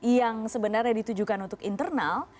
yang sebenarnya ditujukan untuk internal